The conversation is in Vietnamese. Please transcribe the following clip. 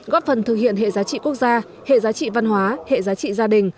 góp phần thực hiện hệ giá trị quốc gia hệ giá trị văn hóa hệ giá trị gia đình